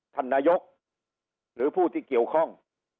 ท่านนายกหรือผู้ที่เกี่ยวข้อง